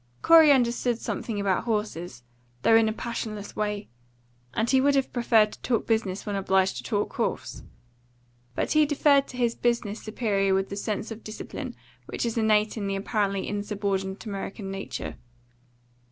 Corey understood something about horses, though in a passionless way, and he would have preferred to talk business when obliged to talk horse. But he deferred to his business superior with the sense of discipline which is innate in the apparently insubordinate American nature.